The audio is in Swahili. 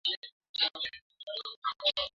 Kuenea kwa ugonjwa wa kutupa mimba yaani Brusela